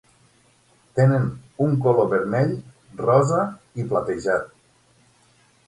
Tenen un color vermell, rosa i platejat.